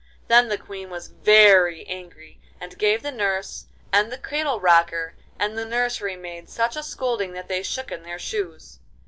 Then the Queen was very angry, and gave the nurse, and the cradle rocker, and the nursery maid such a scolding that they shook in their shoes.